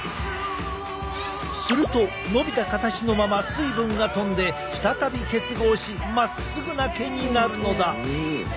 すると伸びた形のまま水分が飛んで再び結合しまっすぐな毛になるのだ。